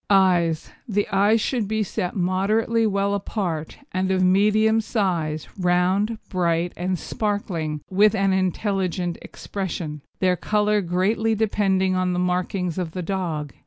EYES The eyes should be set moderately well apart, and of medium size, round, bright, and sparkling, with an intelligent expression, their colour greatly depending on the markings of the dog.